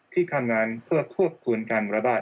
ที่ทำงานเพื่อควบคุมการระบาด